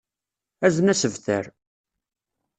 Azen asebtar.